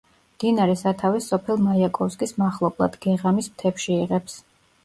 მდინარე სათავეს სოფელ მაიაკოვსკის მახლობლად, გეღამის მთებში იღებს.